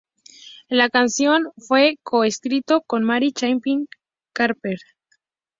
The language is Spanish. La canción fue co-escrito con Mary Chapin Carpenter.